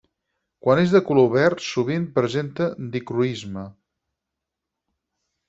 Quan és de color verd sovint presenta dicroisme.